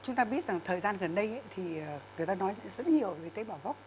chúng ta biết rằng thời gian gần đây thì người ta nói rất nhiều về tế bảo gốc